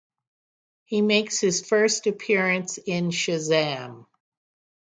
He makes his first appearance in Shazam!